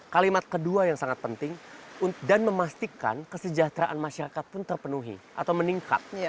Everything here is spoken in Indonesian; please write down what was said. kalimat kedua yang sangat penting dan memastikan kesejahteraan masyarakat pun terpenuhi atau meningkat